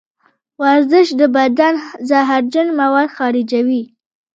ورزش د بدن زهرجن مواد خارجوي.